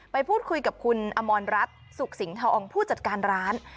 ไปพูดคุยกับคุณอมรรัฐสุขสิงหองผู้จัดการร้าน